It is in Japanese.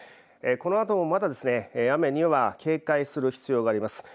このあともまだ、雨には警戒する必要があります。